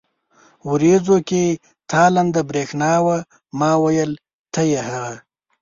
ورېځو کې تالنده برېښنا وه، ما وېل ته يې هغه.